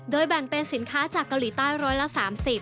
แบ่งเป็นสินค้าจากเกาหลีใต้ร้อยละ๓๐